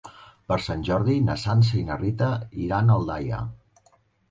Per Sant Jordi na Sança i na Rita iran a Aldaia.